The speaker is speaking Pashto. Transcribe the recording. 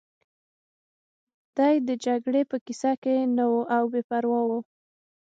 دی د جګړې په کیسه کې نه و او بې پروا و